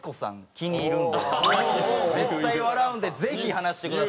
気に入るんで絶対笑うんでぜひ話してください」。